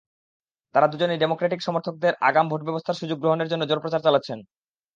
তাঁরা দুজনেই ডেমোক্রেটিক সমর্থকদের আগাম ভোটব্যবস্থার সুযোগ গ্রহণের জন্য জোর প্রচার চালাচ্ছেন।